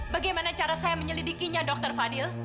bagaimana cara saya menyelidikinya dr fadil